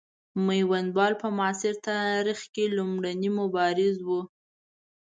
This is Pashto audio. میوندوال په معاصر تاریخ کې لومړنی مبارز وو.